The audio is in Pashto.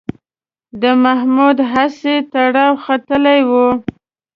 د محمود هسې ټرار ختلی و